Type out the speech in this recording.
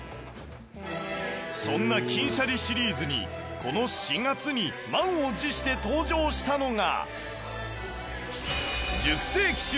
そんな金しゃりシリーズにこの４月に満を持して登場したのが